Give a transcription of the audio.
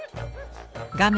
画面